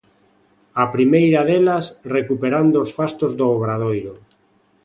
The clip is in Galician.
A primeira delas, recuperando os fastos do Obradoiro.